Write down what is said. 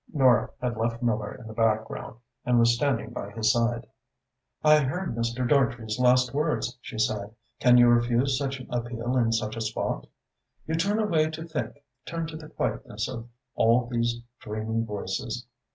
Nora had left Miller in the background and was standing by his side. "I heard Mr. Dartrey's last words," she said. "Can you refuse such an appeal in such a spot? You turn away to think, turn to the quietness of all these dreaming voices.